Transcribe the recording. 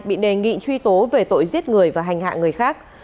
bị đề nghị truy tố về tội giết người và hành hạ người khác